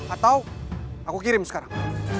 atau aku kirim sekarang